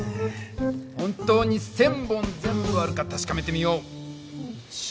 本当に１，０００本全部あるか確かめてみよう。